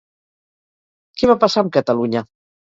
Què va passar amb Catalunya?